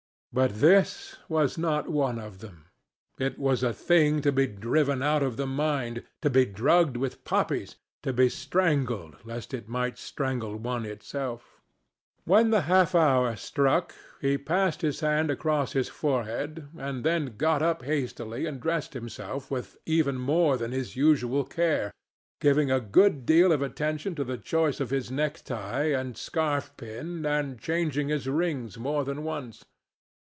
But this was not one of them. It was a thing to be driven out of the mind, to be drugged with poppies, to be strangled lest it might strangle one itself. When the half hour struck, he passed his hand across his forehead, and then got up hastily and dressed himself with even more than his usual care, giving a good deal of attention to the choice of his necktie and scarf pin and changing his rings more than once.